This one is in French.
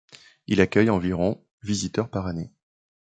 Il accueille environ visiteurs par année.